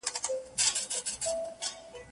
د بوډا مخي ته دي ناست څو ماشومان د کلي